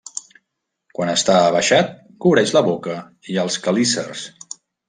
Quan està abaixat cobreix la boca i els quelícers.